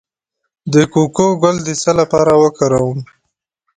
د کوکو ګل د څه لپاره وکاروم؟